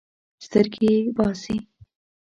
سترګې یې باسي.